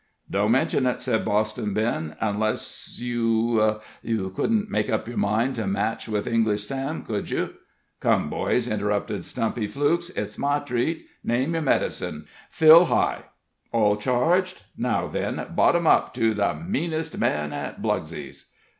"Don't mention it," said Boston Ben, "unless you You couldn't make up your mind to a match with English Sam, could you?" "Come, boys," interrupted Stumpy Flukes; "its my treat name your medicine fill high all charged? now then bottom up, to 'The meanest man at Blugsey's'!"